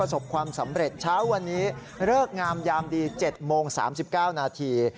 ความสำเร็จเช้าวันนี้เลิกงามยามดี๗โมง๓๙นาที